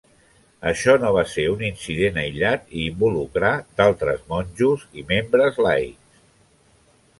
Això no va ser un incident aïllat i involucrà d'altres monjos i membres laics.